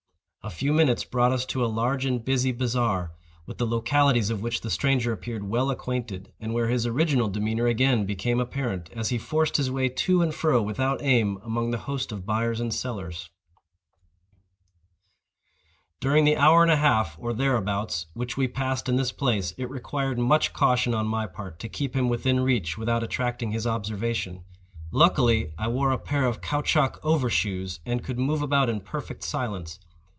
A few minutes brought us to a large and busy bazaar, with the localities of which the stranger appeared well acquainted, and where his original demeanor again became apparent, as he forced his way to and fro, without aim, among the host of buyers and sellers. During the hour and a half, or thereabouts, which we passed in this place, it required much caution on my part to keep him within reach without attracting his observation. Luckily I wore a pair of caoutchouc over shoes, and could move about in perfect silence.